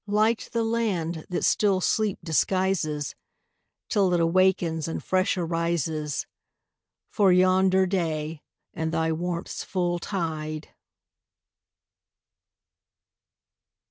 Light the land that still sleep disguises Till it awakens and fresh arises For yonder day in thy warmth's full tide!